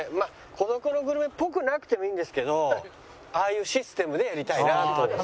『孤独のグルメ』っぽくなくてもいいんですけどああいうシステムでやりたいなと。